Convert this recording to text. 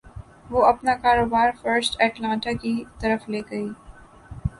وہ اپنا کاروبار فرسٹ اٹلانٹا کی طرف لے گئی